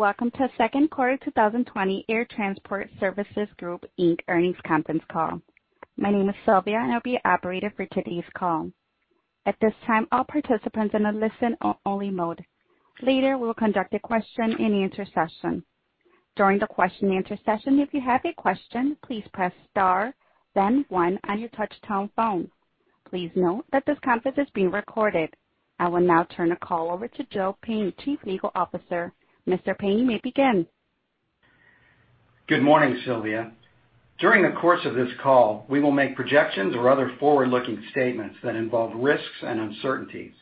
Welcome to second quarter 2020 Air Transport Services Group, Inc. earnings conference call. My name is Sylvia, and I'll be your operator for today's call. At this time, all participants in a listen-only mode. Later, we will conduct a question-and-answer session. During the question and answer session, if you have a question, please press star then one on your touchtone phone. Please note that this conference is being recorded. I will now turn the call over to Joe Payne, Chief Legal Officer. Mr. Payne, you may begin. Good morning, Sylvia. During the course of this call, we will make projections or other forward-looking statements that involve risks and uncertainties.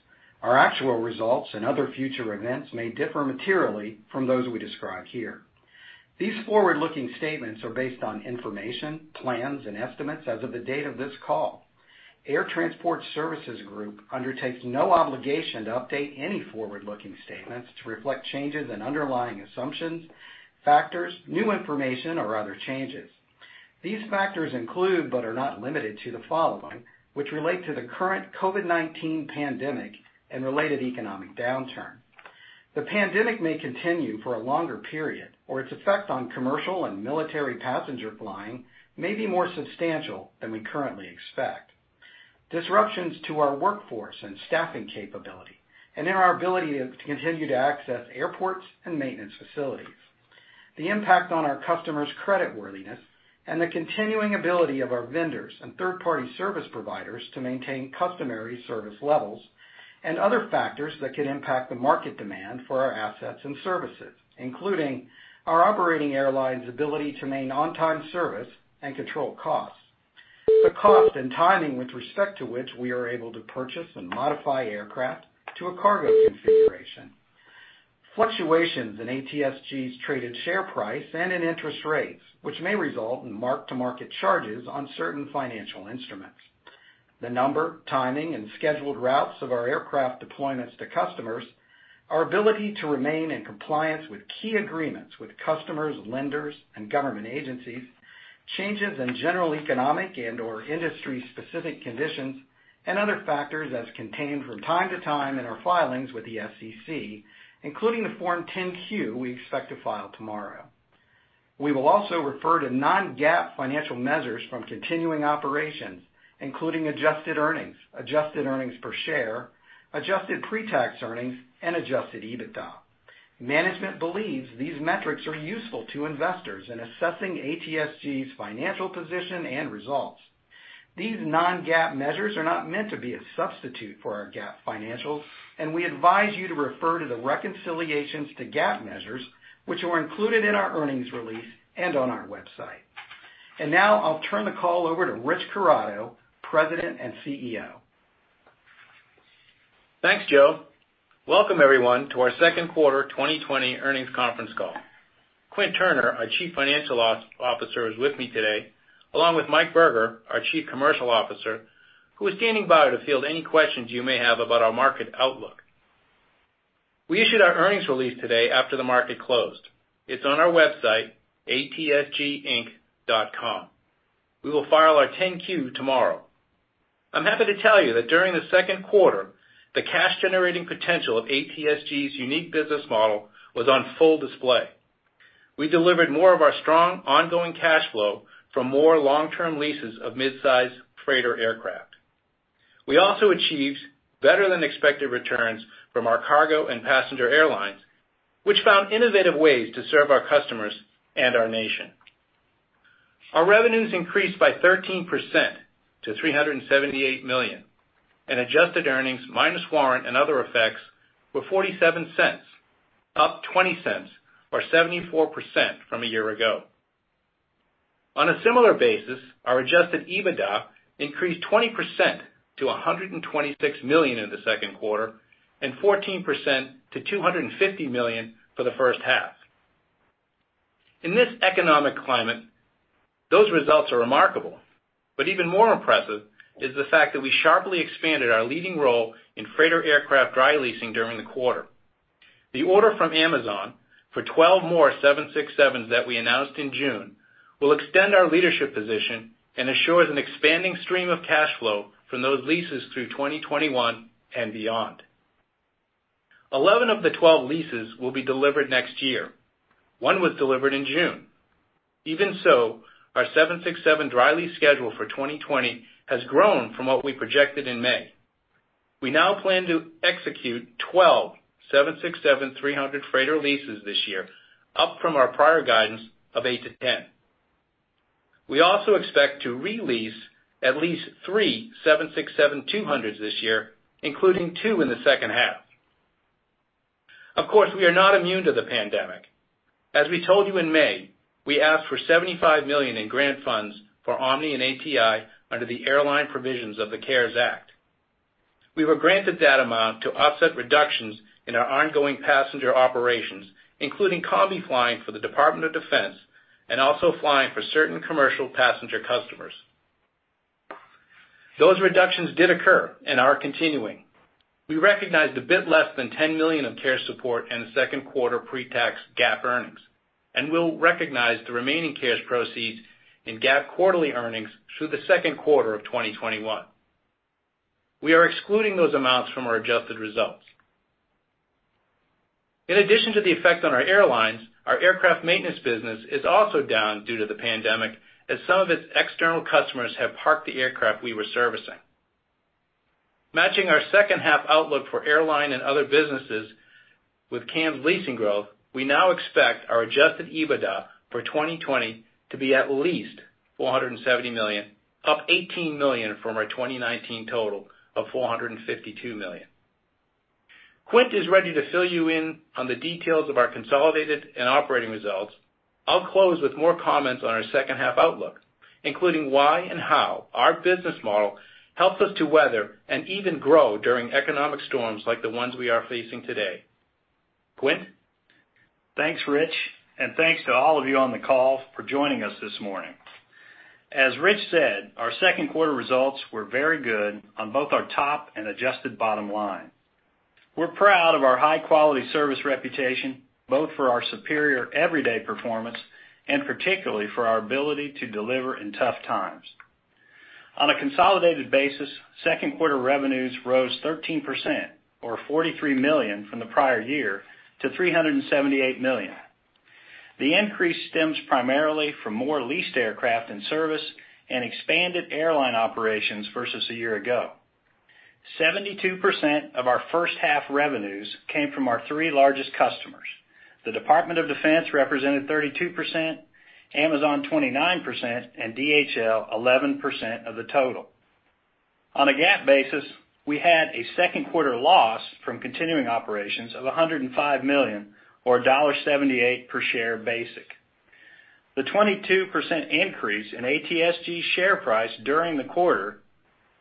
Our actual results and other future events may differ materially from those we describe here. These forward-looking statements are based on information, plans, and estimates as of the date of this call. Air Transport Services Group undertakes no obligation to update any forward-looking statements to reflect changes in underlying assumptions, factors, new information, or other changes. These factors include, but are not limited to, the following, which relate to the current COVID-19 pandemic and related economic downturn. The pandemic may continue for a longer period, or its effect on commercial and military passenger flying may be more substantial than we currently expect. Disruptions to our workforce and staffing capability and in our ability to continue to access airports and maintenance facilities. The impact on our customers' creditworthiness and the continuing ability of our vendors and third-party service providers to maintain customary service levels and other factors that could impact the market demand for our assets and services, including our operating airlines' ability to maintain on-time service and control costs. The cost and timing with respect to which we are able to purchase and modify aircraft to a cargo configuration. Fluctuations in ATSG's traded share price and in interest rates, which may result in mark-to-market charges on certain financial instruments. The number, timing, and scheduled routes of our aircraft deployments to customers, our ability to remain in compliance with key agreements with customers, lenders, and government agencies, changes in general economic and/or industry-specific conditions and other factors as contained from time to time in our filings with the SEC, including the Form 10-Q we expect to file tomorrow. We will also refer to non-GAAP financial measures from continuing operations, including adjusted earnings, adjusted earnings per share, adjusted pre-tax earnings, and adjusted EBITDA. Management believes these metrics are useful to investors in assessing ATSG's financial position and results. These non-GAAP measures are not meant to be a substitute for our GAAP financials, and we advise you to refer to the reconciliations to GAAP measures, which are included in our earnings release and on our website. Now I'll turn the call over to Rich Corrado, President and CEO. Thanks, Joe. Welcome everyone to our second quarter 2020 earnings conference call. Quint Turner, our Chief Financial Officer, is with me today, along with Mike Berger, our Chief Commercial Officer, who is standing by to field any questions you may have about our market outlook. We issued our earnings release today after the market closed. It's on our website, atsginc.com. We will file our 10-Q tomorrow. I'm happy to tell you that during the second quarter, the cash-generating potential of ATSG's unique business model was on full display. We delivered more of our strong ongoing cash flow from more long-term leases of midsize freighter aircraft. We also achieved better than expected returns from our cargo and passenger airlines, which found innovative ways to serve our customers and our nation. Our revenues increased by 13% to $378 million, and adjusted earnings minus warrant and other effects were $0.47, up $0.20 or 74% from a year ago. On a similar basis, our adjusted EBITDA increased 20% to $126 million in the second quarter and 14% to $250 million for the first half. In this economic climate, those results are remarkable, but even more impressive is the fact that we sharply expanded our leading role in freighter aircraft dry leasing during the quarter. The order from Amazon for 12 more 767s that we announced in June will extend our leadership position and assures an expanding stream of cash flow from those leases through 2021 and beyond. 11 of the 12 leases will be delivered next year. One was delivered in June. Even so, our 767 dry lease schedule for 2020 has grown from what we projected in May. We now plan to execute 12 767-300 freighter leases this year, up from our prior guidance of 8-10. We also expect to re-lease at least three 767-200s this year, including two in the second half. Of course, we are not immune to the pandemic. As we told you in May, we asked for $75 million in grant funds for Omni and ATI under the airline provisions of the CARES Act. We were granted that amount to offset reductions in our ongoing passenger operations, including combi flying for the Department of Defense and also flying for certain commercial passenger customers. Those reductions did occur and are continuing. We recognized a bit less than $10 million of CARES support in the second quarter pre-tax GAAP earnings and will recognize the remaining CARES proceeds in GAAP quarterly earnings through the second quarter of 2021. We are excluding those amounts from our adjusted results. In addition to the effect on our airlines, our aircraft maintenance business is also down due to the pandemic, as some of its external customers have parked the aircraft we were servicing. Matching our second half outlook for airline and other businesses with CAM's leasing growth, we now expect our adjusted EBITDA for 2020 to be at least $470 million, up $18 million from our 2019 total of $452 million. Quint is ready to fill you in on the details of our consolidated and operating results. I'll close with more comments on our second half outlook, including why and how our business model helps us to weather and even grow during economic storms like the ones we are facing today. Quint? Thanks, Rich, thanks to all of you on the call for joining us this morning. As Rich said, our second quarter results were very good on both our top and adjusted bottom line. We're proud of our high-quality service reputation, both for our superior everyday performance and particularly for our ability to deliver in tough times. On a consolidated basis, second quarter revenues rose 13%, or $43 million from the prior year to $378 million. The increase stems primarily from more leased aircraft in service and expanded airline operations versus a year ago. 72% of our first half revenues came from our three largest customers. The Department of Defense represented 32%, Amazon 29%, and DHL 11% of the total. On a GAAP basis, we had a second quarter loss from continuing operations of $105 million or $1.78 per share basic. The 22% increase in ATSG share price during the quarter,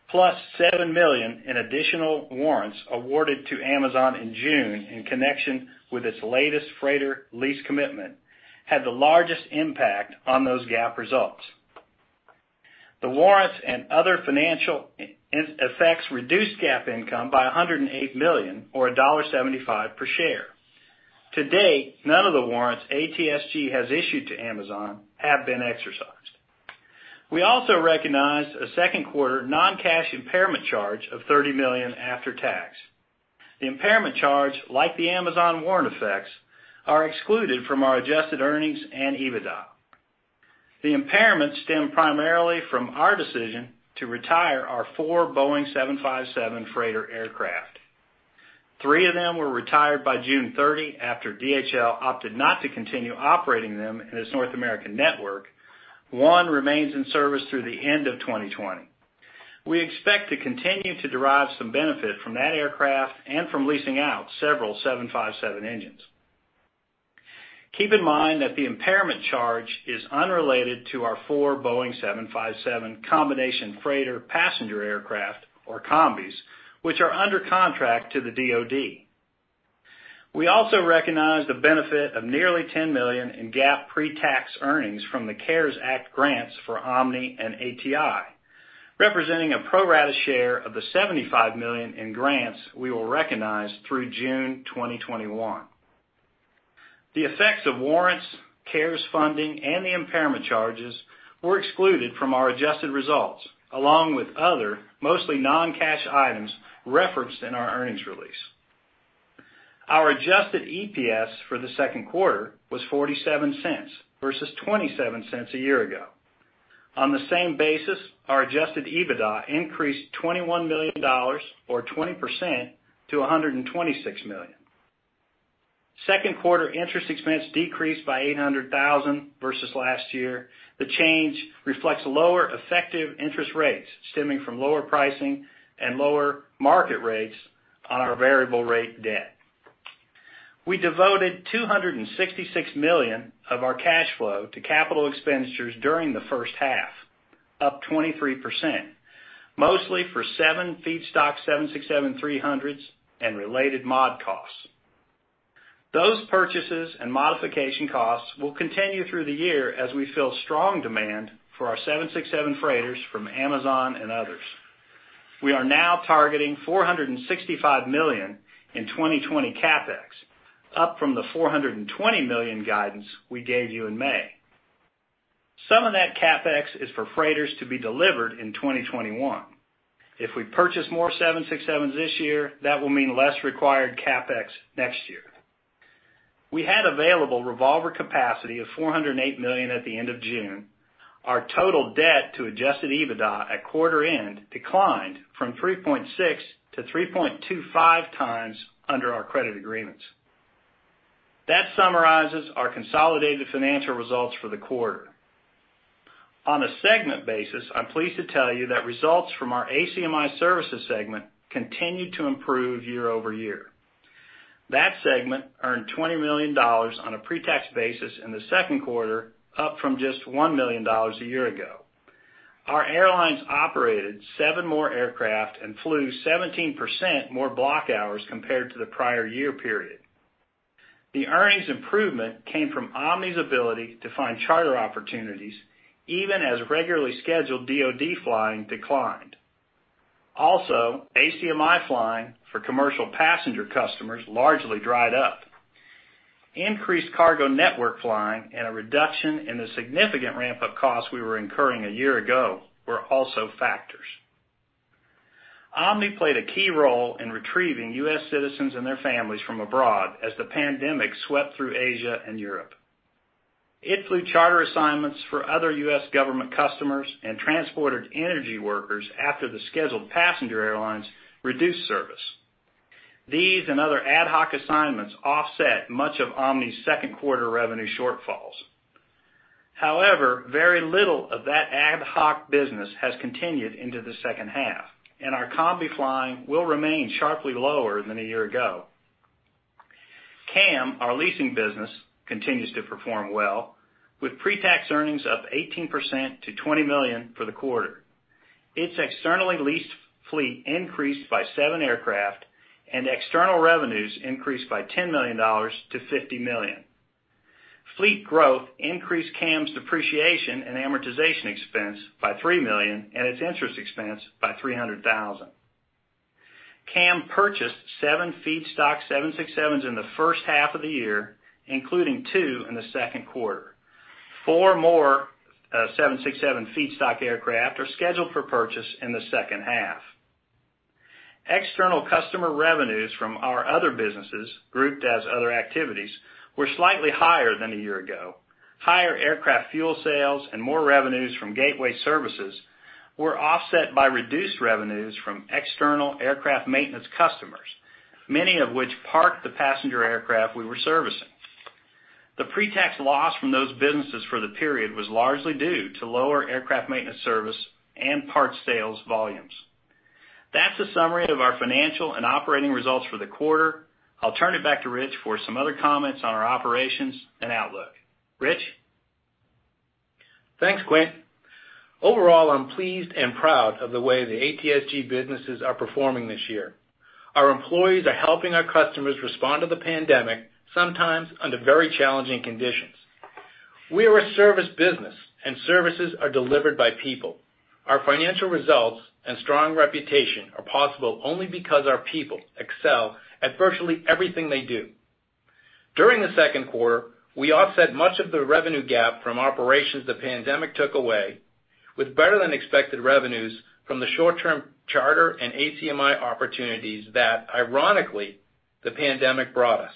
plus $7 million in additional warrants awarded to Amazon in June in connection with its latest freighter lease commitment, had the largest impact on those GAAP results. The warrants and other financial effects reduced GAAP income by $108 million or $1.75 per share. To date, none of the warrants ATSG has issued to Amazon have been exercised. We also recognized a second quarter non-cash impairment charge of $30 million after tax. The impairment charge, like the Amazon warrant effects, are excluded from our adjusted earnings and EBITDA. The impairment stemmed primarily from our decision to retire our four Boeing 757 freighter aircraft. Three of them were retired by June 30 after DHL opted not to continue operating them in its North American network. One remains in service through the end of 2020. We expect to continue to derive some benefit from that aircraft and from leasing out several Boeing 757 engines. Keep in mind that the impairment charge is unrelated to our four Boeing 757 combination freighter passenger aircraft, or combis, which are under contract to the DoD. We also recognized a benefit of nearly $10 million in GAAP pre-tax earnings from the CARES Act grants for Omni and ATI, representing a pro rata share of the $75 million in grants we will recognize through June 2021. The effects of warrants, CARES funding, and the impairment charges were excluded from our adjusted results, along with other, mostly non-cash items referenced in our earnings release. Our adjusted EPS for the second quarter was $0.47 versus $0.27 a year ago. On the same basis, our adjusted EBITDA increased $21 million or 20% to $126 million. Second quarter interest expense decreased by $800,000 versus last year. The change reflects lower effective interest rates stemming from lower pricing and lower market rates on our variable rate debt. We devoted $266 million of our cash flow to CapEx during the first half, up 23%, mostly for seven feedstock Boeing 767-300s and related mod costs. Those purchases and modification costs will continue through the year as we fill strong demand for our Boeing 767 freighters from Amazon and others. We are now targeting $465 million in 2020 CapEx, up from the $420 million guidance we gave you in May. Some of that CapEx is for freighters to be delivered in 2021. If we purchase more Boeing 767s this year, that will mean less required CapEx next year. We had available revolver capacity of $408 million at the end of June. Our total debt to adjusted EBITDA at quarter end declined from 3.6-3.25x under our credit agreements. That summarizes our consolidated financial results for the quarter. On a segment basis, I'm pleased to tell you that results from our ACMI Services segment continued to improve year-over-year. That segment earned $20 million on a pre-tax basis in the second quarter, up from just $1 million a year ago. Our airlines operated seven more aircraft and flew 17% more block hours compared to the prior year period. The earnings improvement came from Omni's ability to find charter opportunities, even as regularly scheduled DoD flying declined. ACMI flying for commercial passenger customers largely dried up. Increased cargo network flying and a reduction in the significant ramp-up costs we were incurring a year ago were also factors. Omni played a key role in retrieving U.S. citizens and their families from abroad as the pandemic swept through Asia and Europe. It flew charter assignments for other U.S. government customers and transported energy workers after the scheduled passenger airlines reduced service. These and other ad hoc assignments offset much of Omni's second quarter revenue shortfalls. Very little of that ad hoc business has continued into the second half, and our combi flying will remain sharply lower than a year ago. CAM, our leasing business, continues to perform well with pre-tax earnings up 18% to $20 million for the quarter. Its externally leased fleet increased by seven aircraft, and external revenues increased by $10 million-$50 million. Fleet growth increased CAM's depreciation and amortization expense by $3 million and its interest expense by $300,000. CAM purchased seven feedstock 767s in the first half of the year, including two in the second quarter. Four more 767 feedstock aircraft are scheduled for purchase in the second half. External customer revenues from our other businesses, grouped as other activities, were slightly higher than a year ago. Higher aircraft fuel sales and more revenues from gateway services were offset by reduced revenues from external aircraft maintenance customers, many of which parked the passenger aircraft we were servicing. The pre-tax loss from those businesses for the period was largely due to lower aircraft maintenance service and parts sales volumes. That's a summary of our financial and operating results for the quarter. I'll turn it back to Rich for some other comments on our operations and outlook. Rich? Thanks, Quint. Overall, I'm pleased and proud of the way the ATSG businesses are performing this year. Our employees are helping our customers respond to the pandemic, sometimes under very challenging conditions. We are a service business, and services are delivered by people. Our financial results and strong reputation are possible only because our people excel at virtually everything they do. During the second quarter, we offset much of the revenue gap from operations the pandemic took away with better-than-expected revenues from the short-term charter and ACMI opportunities that, ironically, the pandemic brought us.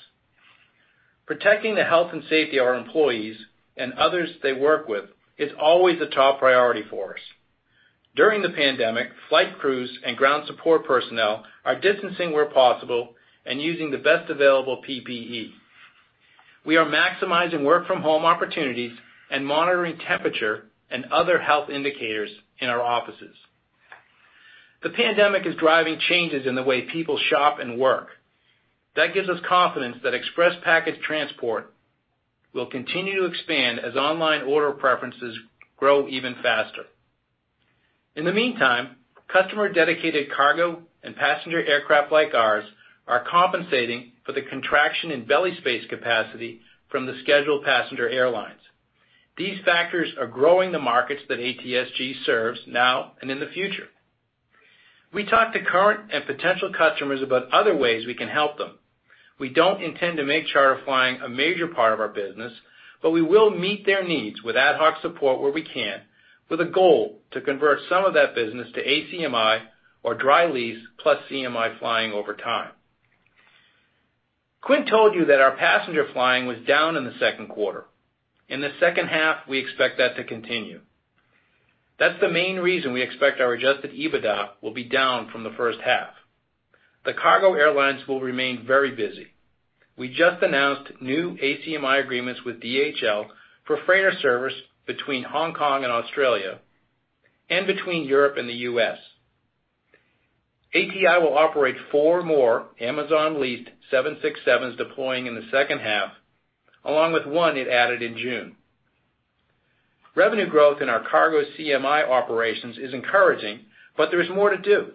Protecting the health and safety of our employees and others they work with is always a top priority for us. During the pandemic, flight crews and ground support personnel are distancing where possible and using the best available PPE. We are maximizing work from home opportunities and monitoring temperature and other health indicators in our offices. The pandemic is driving changes in the way people shop and work. That gives us confidence that express package transport will continue to expand as online order preferences grow even faster. In the meantime, customer-dedicated cargo and passenger aircraft like ours are compensating for the contraction in belly space capacity from the scheduled passenger airlines. These factors are growing the markets that ATSG serves now and in the future. We talk to current and potential customers about other ways we can help them. We don't intend to make charter flying a major part of our business, but we will meet their needs with ad hoc support where we can, with a goal to convert some of that business to ACMI or dry lease plus CMI flying over time. Quint told you that our passenger flying was down in the second quarter. In the second half, we expect that to continue. That's the main reason we expect our adjusted EBITDA will be down from the first half. The cargo airlines will remain very busy. We just announced new ACMI agreements with DHL for freighter service between Hong Kong and Australia and between Europe and the U.S. ATI will operate four more Amazon-leased 767s deploying in the second half, along with one it added in June. Revenue growth in our cargo CMI operations is encouraging, but there is more to do.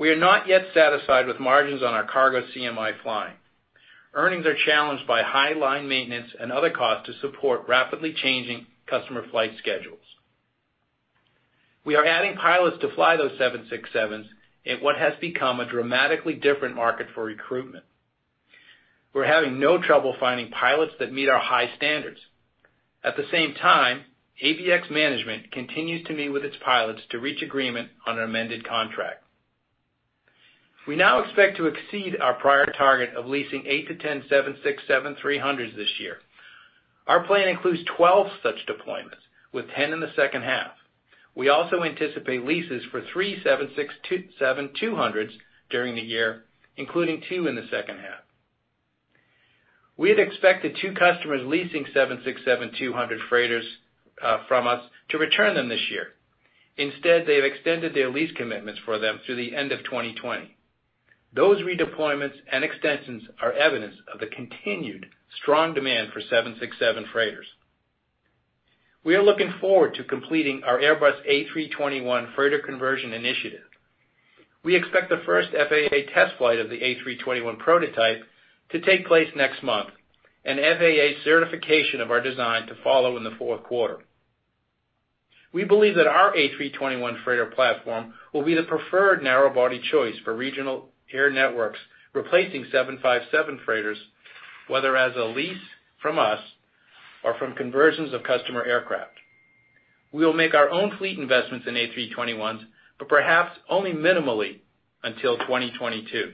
We are not yet satisfied with margins on our cargo CMI flying. Earnings are challenged by high line maintenance and other costs to support rapidly changing customer flight schedules. We are adding pilots to fly those 767s in what has become a dramatically different market for recruitment. We're having no trouble finding pilots that meet our high standards. At the same time, ABX management continues to meet with its pilots to reach agreement on an amended contract. We now expect to exceed our prior target of leasing 8-10 767-300s this year. Our plan includes 12 such deployments, with 10 in the second half. We also anticipate leases for three 767-200s during the year, including two in the second half. We had expected two customers leasing 767-200 freighters from us to return them this year. Instead, they have extended their lease commitments for them through the end of 2020. Those redeployments and extensions are evidence of the continued strong demand for 767 freighters. We are looking forward to completing our Airbus A321 freighter conversion initiative. We expect the first FAA test flight of the A321 prototype to take place next month, and FAA certification of our design to follow in the fourth quarter. We believe that our A321 freighter platform will be the preferred narrow-body choice for regional air networks replacing 757 freighters, whether as a lease from us or from conversions of customer aircraft. We will make our own fleet investments in A321s, but perhaps only minimally until 2022.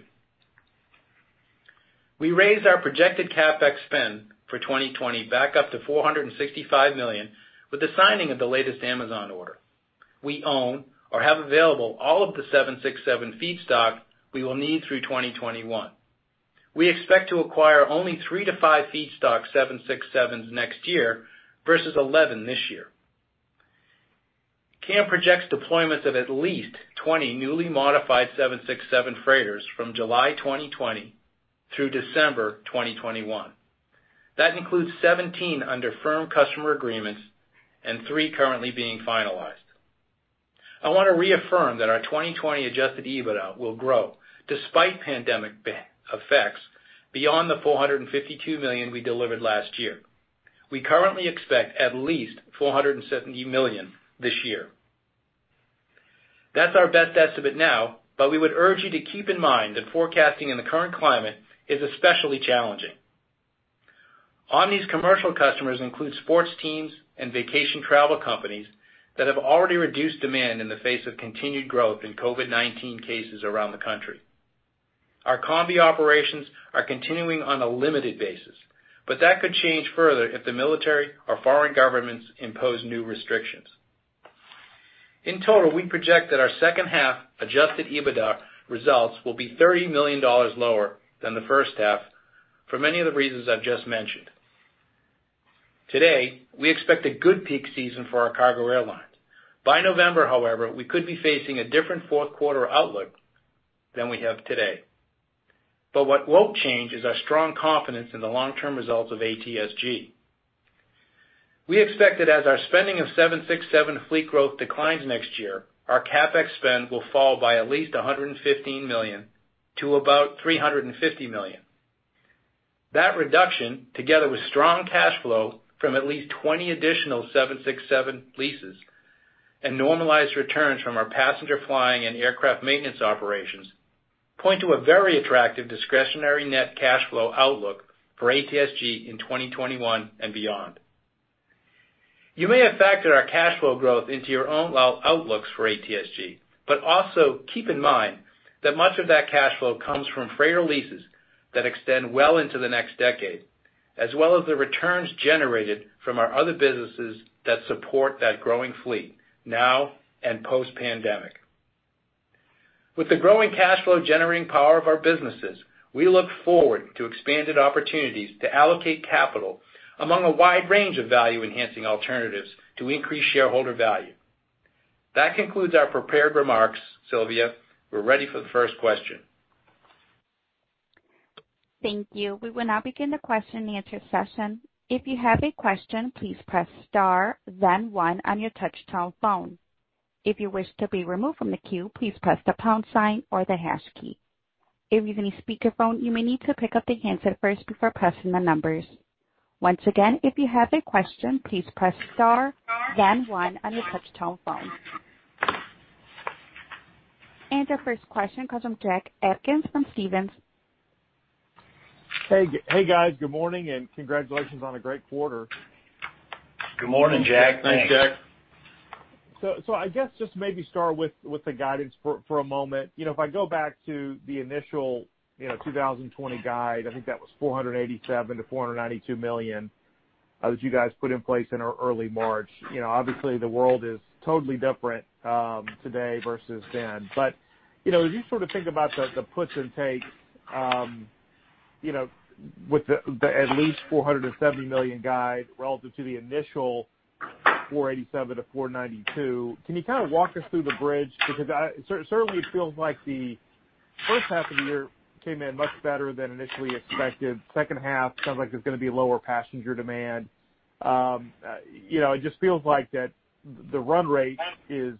We raised our projected CapEx spend for 2020 back up to $465 million with the signing of the latest Amazon order. We own or have available all of the 767 feedstock we will need through 2021. We expect to acquire only three to five feedstock 767s next year versus 11 this year. CAM projects deployments of at least 20 newly modified 767 freighters from July 2020 through December 2021. That includes 17 under firm customer agreements and three currently being finalized. I want to reaffirm that our 2020 adjusted EBITDA will grow despite pandemic effects beyond the $452 million we delivered last year. We currently expect at least $470 million this year. That's our best estimate now, but we would urge you to keep in mind that forecasting in the current climate is especially challenging. Omni's commercial customers include sports teams and vacation travel companies that have already reduced demand in the face of continued growth in COVID-19 cases around the country. Our combi operations are continuing on a limited basis, but that could change further if the military or foreign governments impose new restrictions. In total, we project that our second half adjusted EBITDA results will be $30 million lower than the first half for many of the reasons I've just mentioned. Today, we expect a good peak season for our cargo airlines. By November, however, we could be facing a different fourth quarter outlook than we have today. What won't change is our strong confidence in the long-term results of ATSG. We expect that as our spending of 767 fleet growth declines next year, our CapEx spend will fall by at least $115 million to about $350 million. That reduction, together with strong cash flow from at least 20 additional 767 leases and normalized returns from our passenger flying and aircraft maintenance operations, point to a very attractive discretionary net cash flow outlook for ATSG in 2021 and beyond. You may have factored our cash flow growth into your own outlooks for ATSG, also keep in mind that much of that cash flow comes from freighter leases that extend well into the next decade, as well as the returns generated from our other businesses that support that growing fleet now and post-pandemic. With the growing cash flow generating power of our businesses, we look forward to expanded opportunities to allocate capital among a wide range of value-enhancing alternatives to increase shareholder value. That concludes our prepared remarks. Sylvia, we're ready for the first question. Thank you. We will now begin the question and answer session. If you have a question, please press star then one on your touch-tone phone. If you wish to be removed from the queue, please press the pound sign or the hash key. If you're on a speakerphone, you may need to pick up the handset first before pressing the numbers. Once again, if you have a question, please press star then one on your touch-tone phone. Our first question comes from Jack Atkins from Stephens. Hey, guys. Good morning. Congratulations on a great quarter. Good morning, Jack. Thanks, Jack. I guess just maybe start with the guidance for a moment. If I go back to the initial 2020 guide, I think that was $487 million-$492 million that you guys put in place in early March. Obviously, the world is totally different today versus then. As you sort of think about the puts and takes, with the at least $470 million guide relative to the initial $487 million-$492 million, can you kind of walk us through the bridge? Certainly it feels like the first half of the year came in much better than initially expected. Second half sounds like there's going to be lower passenger demand. It just feels like that the run rate is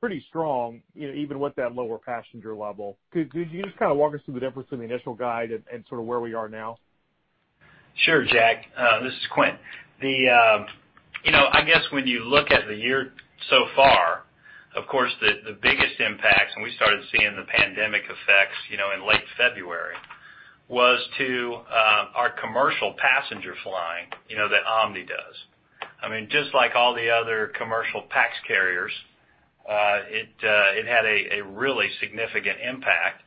pretty strong even with that lower passenger level. Could you just kind of walk us through the difference in the initial guide and sort of where we are now? Sure, Jack. This is Quint. I guess when you look at the year so far, of course, the biggest impacts, and we started seeing the pandemic effects in late February, was to our commercial passenger flying that Omni does. Just like all the other commercial pax carriers, it had a really significant impact.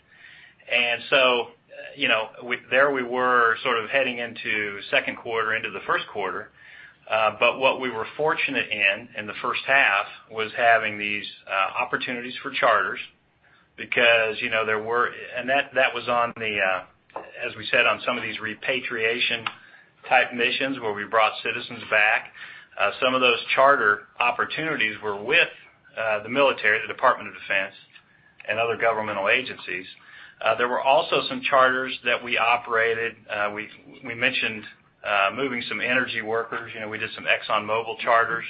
There we were sort of heading into second quarter into the first quarter. What we were fortunate in in the first half was having these opportunities for charters because that was on the, as we said, on some of these repatriation type missions where we brought citizens back. Some of those charter opportunities were with the military, the Department of Defense and other governmental agencies. There were also some charters that we operated. We mentioned moving some energy workers. We did some ExxonMobil charters.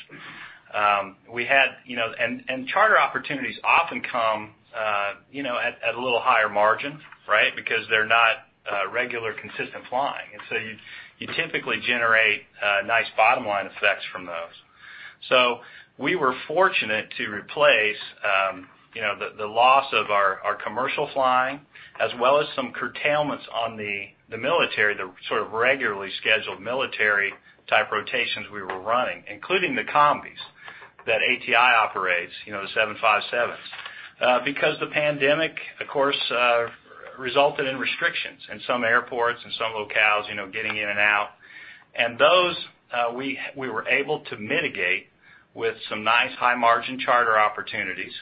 Charter opportunities often come at a little higher margin because they're not regular, consistent flying. You typically generate nice bottom-line effects from those. We were fortunate to replace the loss of our commercial flying as well as some curtailments on the military, the sort of regularly scheduled military type rotations we were running, including the combis that ATI operates, the 757s. Because the pandemic, of course, resulted in restrictions in some airports, in some locales, getting in and out. Those, we were able to mitigate with some nice high margin charter opportunities.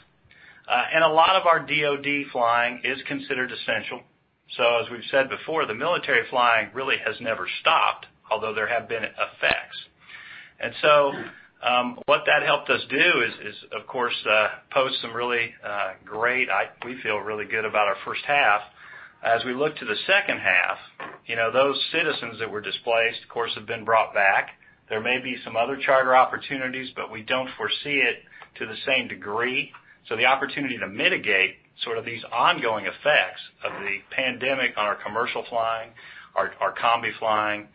A lot of our DOD flying is considered essential. As we've said before, the military flying really has never stopped, although there have been effects. What that helped us do is, of course, post some really great, we feel really good about our first half. As we look to the second half, those citizens that were displaced, of course, have been brought back. There may be some other charter opportunities, but we don't foresee it to the same degree. The opportunity to mitigate sort of these ongoing effects of the COVID-19 on our commercial flying, our combi flying,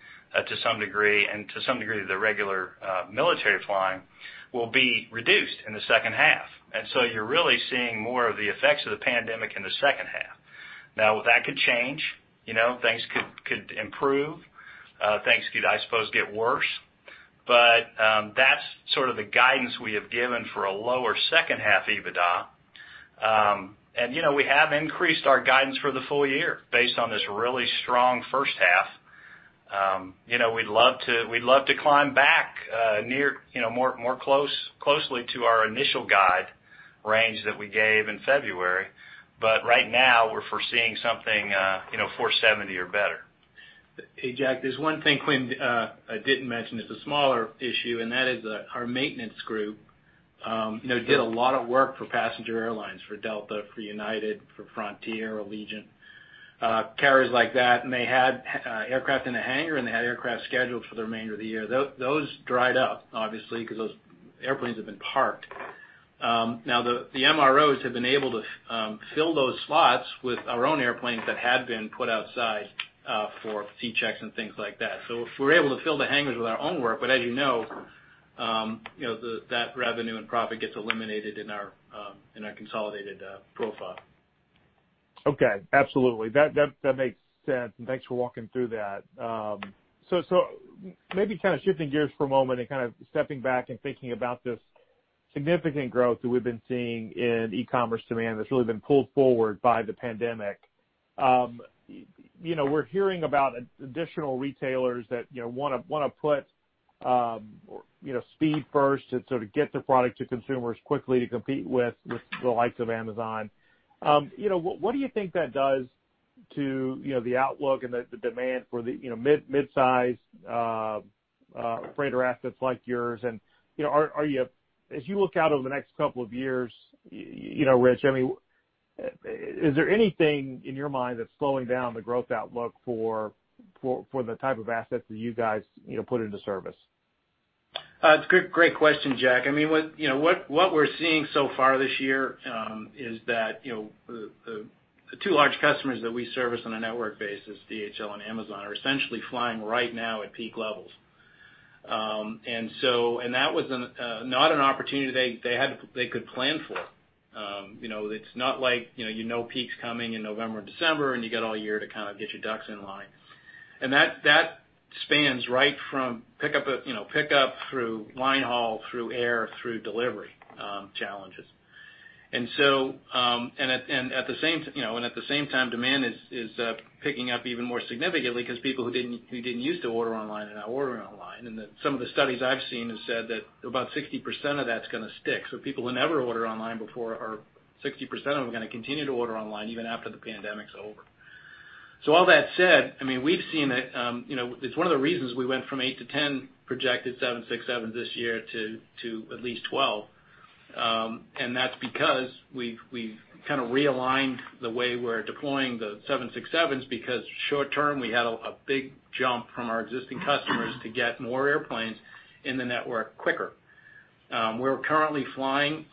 to some degree, and to some degree, the regular military flying, will be reduced in the second half. You're really seeing more of the effects of the COVID-19 in the second half. Now, that could change, things could improve. Things could, I suppose, get worse. That's sort of the guidance we have given for a lower second half EBITDA. We have increased our guidance for the full year based on this really strong first half. We'd love to climb back more closely to our initial guide range that we gave in February. Right now we're foreseeing something, $470 million or better. Hey, Jack, there's one thing Quint didn't mention. It's a smaller issue, and that is our maintenance group did a lot of work for passenger airlines, for Delta, for United, for Frontier, Allegiant, carriers like that, and they had aircraft in the hangar, and they had aircraft scheduled for the remainder of the year. Those dried up, obviously, because those airplanes have been parked. Now, the MROs have been able to fill those slots with our own airplanes that had been put outside for C checks and things like that. We're able to fill the hangars with our own work, but as you know, that revenue and profit gets eliminated in our consolidated profile. Okay, absolutely. That makes sense, and thanks for walking through that. Maybe kind of shifting gears for a moment and kind of stepping back and thinking about this significant growth that we've been seeing in e-commerce demand that's really been pulled forward by the pandemic. We're hearing about additional retailers that want to put speed first to sort of get their product to consumers quickly to compete with the likes of Amazon. What do you think that does to the outlook and the demand for the mid-size freighter assets like yours? As you look out over the next couple of years, Rich, is there anything in your mind that's slowing down the growth outlook for the type of assets that you guys put into service? It's a great question, Jack. What we're seeing so far this year is that the two large customers that we service on a network basis, DHL and Amazon, are essentially flying right now at peak levels. That was not an opportunity they could plan for. It's not like you know peak's coming in November and December, and you got all year to kind of get your ducks in line. That spans right from pickup through line haul, through air, through delivery challenges. At the same time, demand is picking up even more significantly because people who didn't use to order online are now ordering online. Some of the studies I've seen have said that about 60% of that's going to stick. People who never ordered online before are, 60% of them, are going to continue to order online even after the pandemic's over. All that said, it's one of the reasons we went from 8-10 projected 767s this year to at least 12. That's because we've kind of realigned the way we're deploying the 767s because short term, we had a big jump from our existing customers to get more airplanes in the network quicker. We're currently flying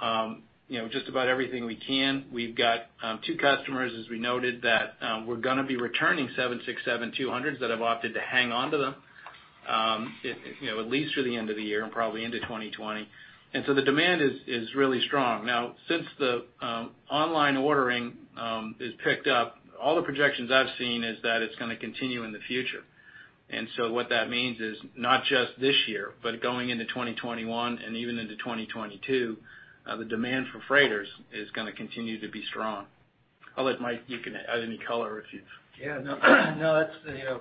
just about everything we can. We've got two customers, as we noted, that we're going to be returning 767-200s that have opted to hang on to them at least through the end of the year and probably into 2020. The demand is really strong. Now, since the online ordering has picked up, all the projections I've seen is that it's going to continue in the future. What that means is not just this year, but going into 2021 and even into 2022, the demand for freighters is going to continue to be strong. I’ll let Mike, you can add any color. Yeah. No.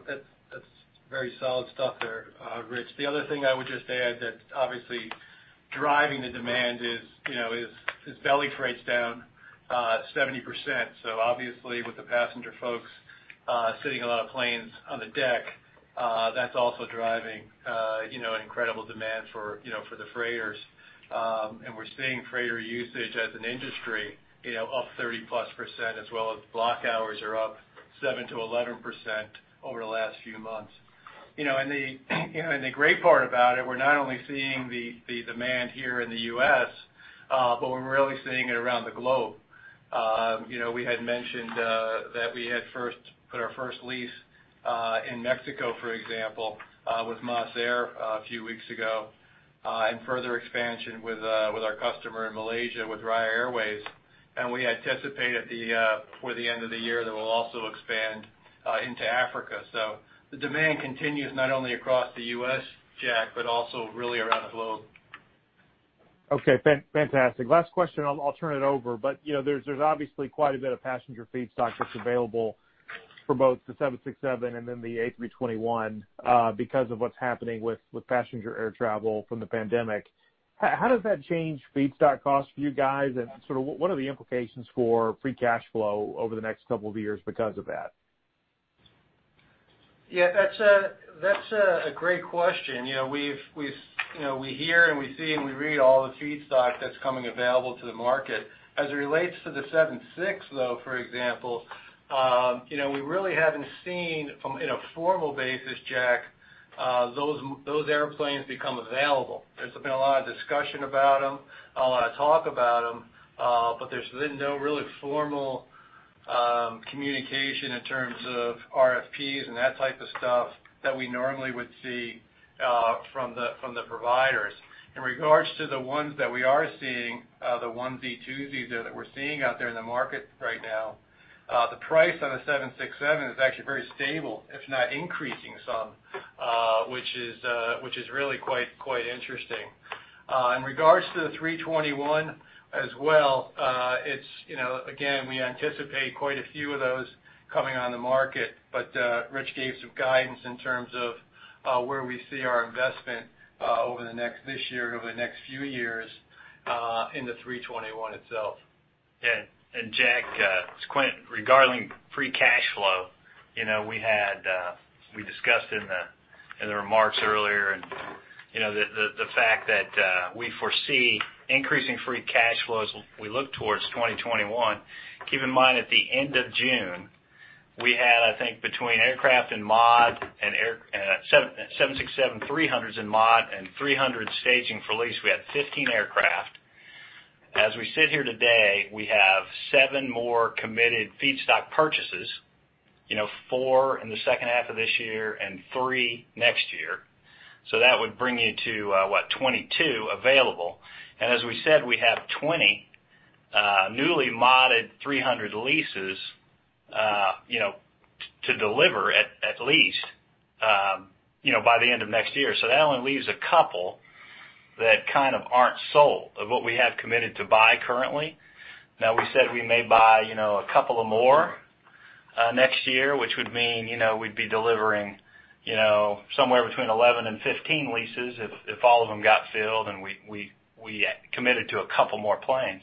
That's very solid stuff there, Rich. The other thing I would just add that's obviously driving the demand is belly freight's down 70%. Obviously with the passenger folks sitting a lot of planes on the deck, that's also driving an incredible demand for the freighters. We're seeing freighter usage as an industry up 30%+ as well as block hours are up 7%-11% over the last few months. The great part about it, we're not only seeing the demand here in the U.S., but we're really seeing it around the globe. We had mentioned that we had put our first lease in Mexico, for example, with MasAir a few weeks ago, and further expansion with our customer in Malaysia with Raya Airways. We anticipate before the end of the year that we'll also expand into Africa. The demand continues not only across the U.S., Jack, but also really around the globe. Okay, fantastic. Last question, I'll turn it over. There's obviously quite a bit of passenger feedstock that's available for both the 767 and then the A321, because of what's happening with passenger air travel from the pandemic. How does that change feedstock cost for you guys, and what are the implications for free cash flow over the next couple of years because of that? Yeah, that's a great question. We hear and we see, and we read all the feedstock that's coming available to the market. As it relates to the 76, though, for example, we really haven't seen from, in a formal basis, Jack, those airplanes become available. There's been a lot of discussion about them, a lot of talk about them, but there's been no really formal communication in terms of RFPs and that type of stuff that we normally would see from the providers. In regards to the ones that we are seeing, the 1D, 2D there that we're seeing out there in the market right now, the price on a 767 is actually very stable, if not increasing some, which is really quite interesting. In regards to the 321 as well, again, we anticipate quite a few of those coming on the market, but Rich gave some guidance in terms of where we see our investment this year and over the next few years, in the 321 itself. Yeah. Jack, it's Quint. Regarding free cash flow, we discussed in the remarks earlier and the fact that we foresee increasing free cash flows as we look towards 2021. Keep in mind, at the end of June, we had, I think, between aircraft and mod and 767-300s in mod and 300 staging for lease, we had 15 aircraft. As we sit here today, we have seven more committed feedstock purchases. Four in the second half of this year and three next year. That would bring you to what? 22 available. As we said, we have 20 newly modded 300 leases to deliver at least by the end of next year. That only leaves a couple that kind of aren't sold of what we have committed to buy currently. We said we may buy a couple of more next year, which would mean we'd be delivering somewhere between 11 and 15 leases if all of them got filled and we committed to a couple more planes.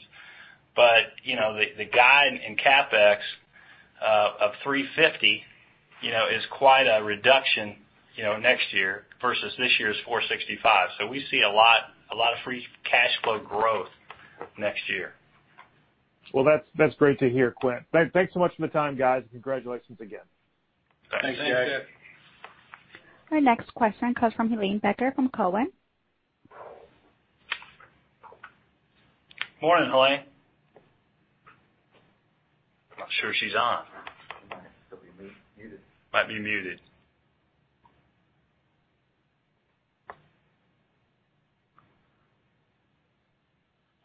The guide in CapEx of $350 million is quite a reduction next year versus this year's $465 million. We see a lot of free cash flow growth next year. Well, that's great to hear, Quint. Thanks so much for the time, guys, and congratulations again. Thanks, Jack. Thanks. Our next question comes from Helane Becker, from Cowen. Morning, Helane. I'm not sure she's on. She might still be muted. Might be muted.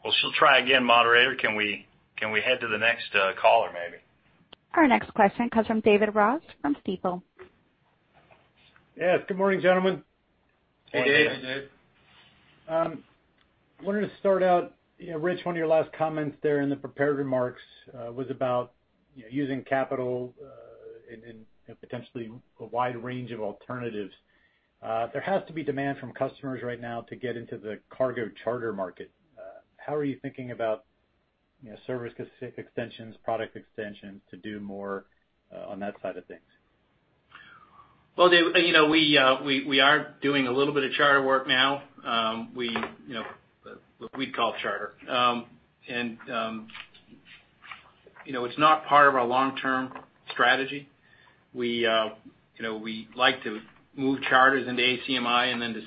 Well, she'll try again. Moderator, can we head to the next caller, maybe? Our next question comes from David Ross, from Stifel. Yes. Good morning, gentlemen. Hey, Dave. Morning, Dave. Wanted to start out, Rich, one of your last comments there in the prepared remarks, was about using capital in potentially a wide range of alternatives. There has to be demand from customers right now to get into the cargo charter market. How are you thinking about service extensions, product extensions to do more on that side of things? Well, Dave, we are doing a little bit of charter work now. What we'd call charter. It's not part of our long-term strategy. We like to move charters into ACMI and then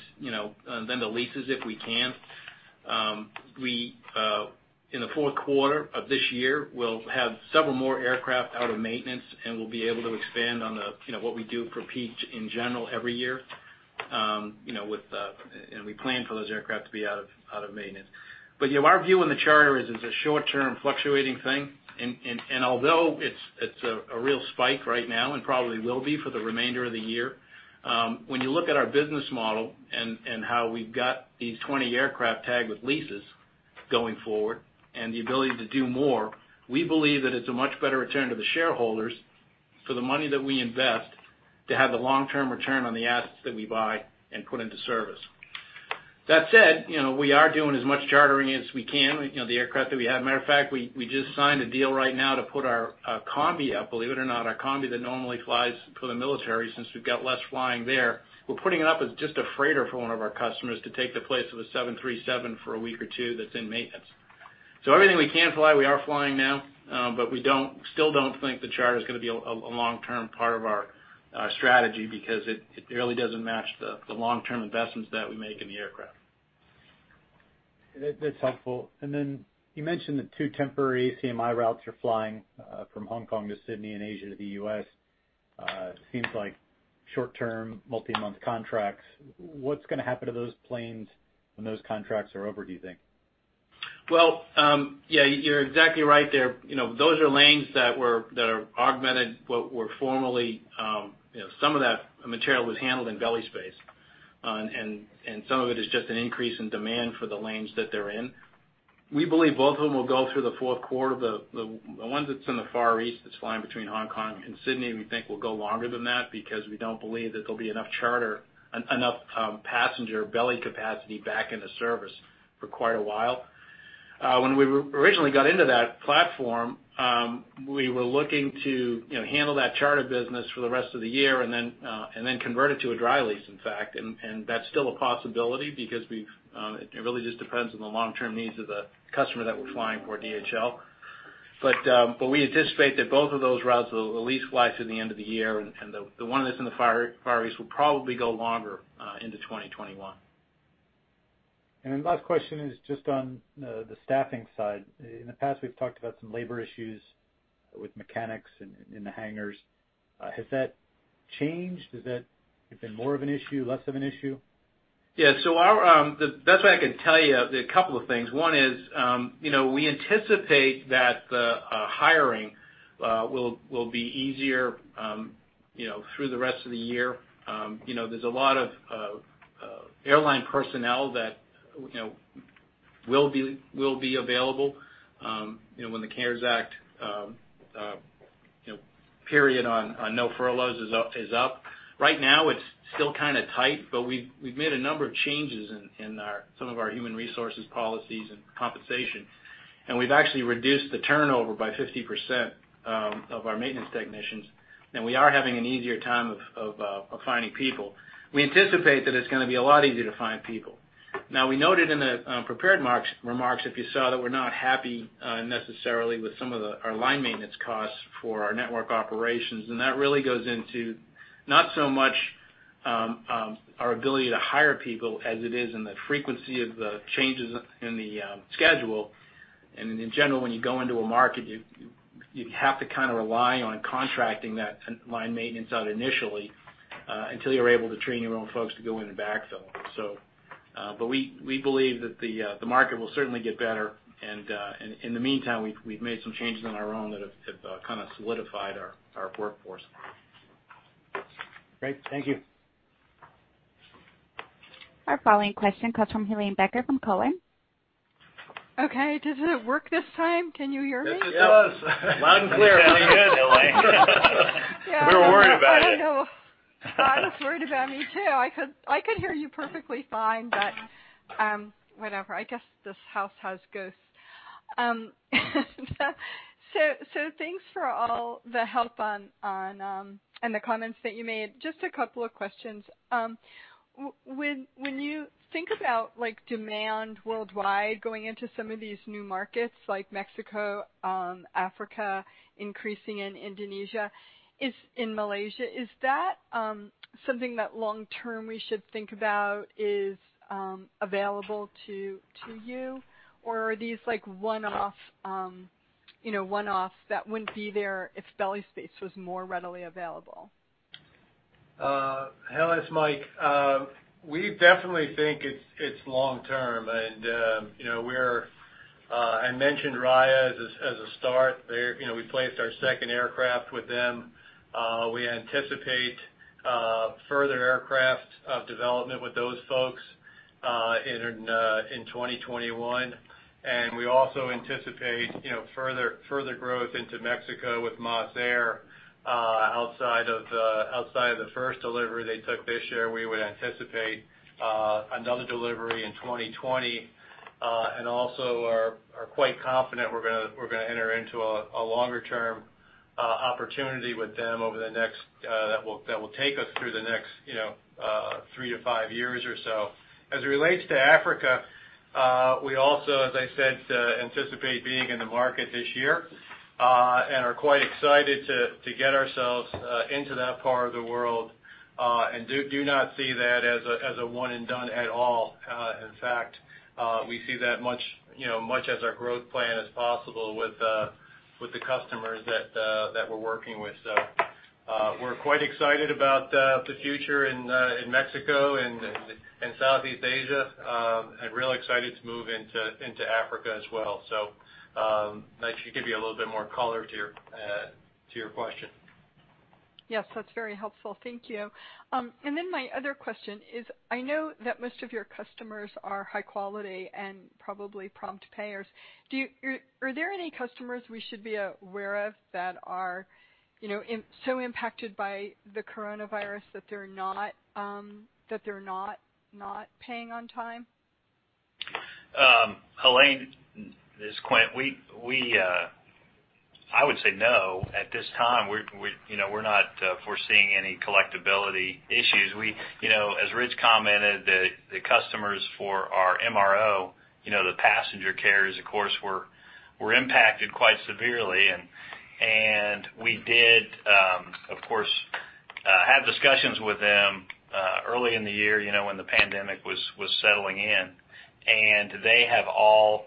to leases if we can. In the fourth quarter of this year, we'll have several more aircraft out of maintenance, and we'll be able to expand on what we do for peak in general every year, and we plan for those aircraft to be out of maintenance. Yeah, our view on the charter is it's a short-term fluctuating thing, and although it's a real spike right now and probably will be for the remainder of the year, when you look at our business model and how we've got these 20 aircraft tagged with leases going forward and the ability to do more, we believe that it's a much better return to the shareholders for the money that we invest to have the long-term return on the assets that we buy and put into service. That said, we are doing as much chartering as we can, the aircraft that we have. Matter of fact, we just signed a deal right now to put our combi up, believe it or not. Our combi that normally flies for the military, since we've got less flying there, we're putting it up as just a freighter for one of our customers to take the place of a 737 for a week or two that's in maintenance. We still don't think the charter's going to be a long-term part of our strategy because it really doesn't match the long-term investments that we make in the aircraft. That's helpful. Then you mentioned the two temporary CMI routes you're flying from Hong Kong to Sydney and Asia to the U.S. Seems like short-term multi-month contracts. What's going to happen to those planes when those contracts are over, do you think? Well, yeah, you're exactly right there. Those are lanes that are augmented, some of that material was handled in belly space, and some of it is just an increase in demand for the lanes that they're in. We believe both of them will go through the fourth quarter. The one that's in the Far East that's flying between Hong Kong and Sydney, we think will go longer than that because we don't believe that there'll be enough charter, enough passenger belly capacity back into service for quite a while. When we originally got into that platform, we were looking to handle that charter business for the rest of the year and then convert it to a dry lease, in fact, and that's still a possibility because it really just depends on the long-term needs of the customer that we're flying for DHL. We anticipate that both of those routes will at least fly through the end of the year, and the one that's in the Far East will probably go longer into 2021. Last question is just on the staffing side. In the past, we've talked about some labor issues with mechanics in the hangars. Has that changed? Has that been more of an issue, less of an issue? The best way I can tell you, a couple of things. One is we anticipate that the hiring will be easier through the rest of the year. There's a lot of airline personnel that will be available when the CARES Act period on no furloughs is up. Right now, it's still kind of tight, but we've made a number of changes in some of our human resources policies and compensation, and we've actually reduced the turnover by 50% of our maintenance technicians, and we are having an easier time of finding people. We anticipate that it's going to be a lot easier to find people. We noted in the prepared remarks, if you saw, that we're not happy necessarily with some of our line maintenance costs for our network operations, and that really goes into not so much our ability to hire people as it is in the frequency of the changes in the schedule. In general, when you go into a market, you have to kind of rely on contracting that line maintenance out initially, until you're able to train your own folks to go in and backfill. We believe that the market will certainly get better. In the meantime, we've made some changes on our own that have kind of solidified our workforce. Great. Thank you. Our following question comes from Helane Becker from Cowen. Okay. Does it work this time? Can you hear me? Yes, it does. Yes. Loud and clear. Sounding good, Helane. We were worried about you. I know. I was worried about me too. I could hear you perfectly fine, but whatever. I guess this house has ghosts. Thanks for all the help and the comments that you made. Just a couple of questions. When you think about demand worldwide going into some of these new markets like Mexico, Africa, increasing in Indonesia, in Malaysia, is that something that long term we should think about is available to you? Or are these one-offs that wouldn't be there if belly space was more readily available? Helane, it's Mike. We definitely think it's long term. I mentioned Raya as a start. We placed our second aircraft with them. We anticipate further aircraft development with those folks in 2021. We also anticipate further growth into Mexico with MasAir outside of the first delivery they took this year. We would anticipate another delivery in 2020. Also are quite confident we're going to enter into a longer-term opportunity with them that will take us through the next three to five years or so. As it relates to Africa, we also, as I said, anticipate being in the market this year. Are quite excited to get ourselves into that part of the world, do not see that as a one and done at all. In fact, we see that much as our growth plan as possible with the customers that we're working with. We're quite excited about the future in Mexico and Southeast Asia, and real excited to move into Africa as well. That should give you a little bit more color to your question. Yes. That's very helpful. Thank you. My other question is, I know that most of your customers are high quality and probably prompt payers. Are there any customers we should be aware of that are so impacted by the COVID-19 that they're not paying on time? Helane, this is Quint. I would say no. At this time, we're not foreseeing any collectibility issues. As Rich commented, the customers for our MRO, the passenger carriers, of course, were impacted quite severely. We did of course, had discussions with them early in the year, when the pandemic was settling in, and they have all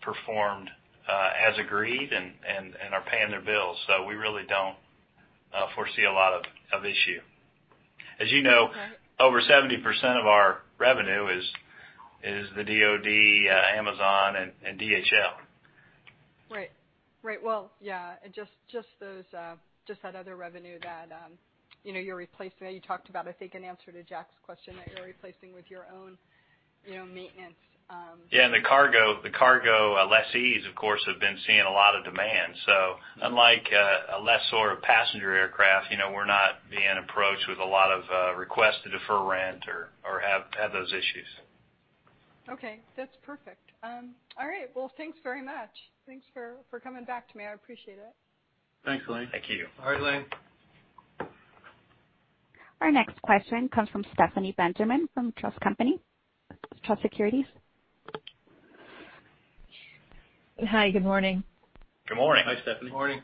performed as agreed and are paying their bills. We really don't foresee a lot of issue. As you know. Okay Over 70% of our revenue is the DoD, Amazon, and DHL. Right. Well, yeah. Just that other revenue that you're replacing, you talked about, I think, in answer to Jack's question, that you're replacing with your own maintenance. Yeah. The cargo lessees, of course, have been seeing a lot of demand. Unlike a lessor passenger aircraft, we're not being approached with a lot of requests to defer rent or have those issues. Okay. That's perfect. All right. Well, thanks very much. Thanks for coming back to me. I appreciate it. Thanks, Helane. Thank you. All right, Helane. Our next question comes from Stephanie Benjamin from Truist Securities. Hi. Good morning. Good morning. Hi, Stephanie. Good morning.